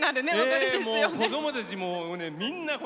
子供たちも、みんな。